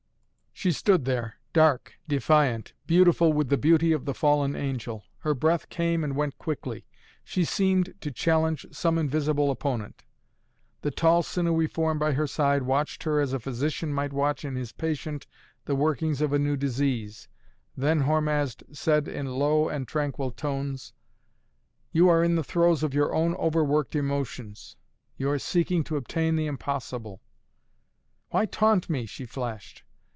She stood there, dark, defiant, beautiful with the beauty of the fallen angel. Her breath came and went quickly. She seemed to challenge some invisible opponent. The tall sinewy form by her side watched her as a physician might watch in his patient the workings of a new disease, then Hormazd said in low and tranquil tones: "You are in the throes of your own overworked emotions. You are seeking to obtain the impossible " "Why taunt me?" she flashed.